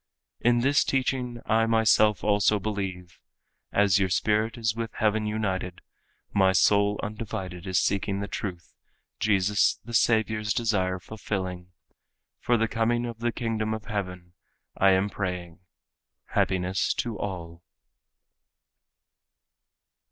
In this teaching I myself also believe—As your spirit is with heaven united, My soul undivided is seeking the truth Jesus the Savior's desire fulfilling, For the coming of the Kingdom of Heaven I am praying. Happiness to all."